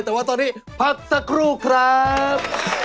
แต่ว่าตอนนี้พักสักครู่ครับ